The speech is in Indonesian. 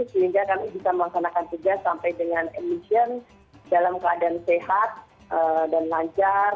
sehingga kami bisa melaksanakan tugas sampai dengan emission dalam keadaan sehat dan lancar